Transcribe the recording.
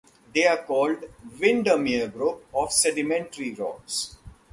They are called the Windermere Group of sedimentary rocks.